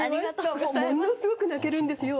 ものすごく泣けるんですよ。